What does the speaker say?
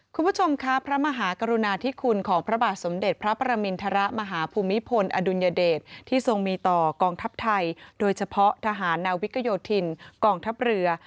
คุณผู้ชมครับพระมหากรุณาธิคุณของพระบาทสมเด็จพระประมินทรมาฮภูมิพลอดุลยเดชที่ทรงมีต่อกองทัพไทยโดยเฉพาะทหารนาวิกโยธินกองทัพเรือ